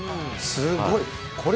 すごい。